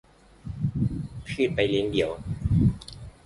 พืชใบเลี้ยงเดี่ยว